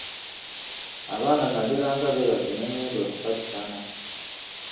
Abaana nageranga beebase ne ngenda okupatikana.